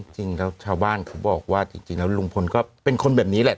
จริงแล้วชาวบ้านเขาบอกว่าจริงแล้วลุงพลก็เป็นคนแบบนี้แหละ